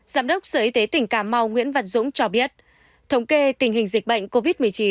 giám đốc sở y tế tỉnh cà mau nguyễn văn dũng cho biết thống kê tình hình dịch bệnh covid một mươi chín